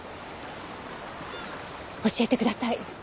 教えてください。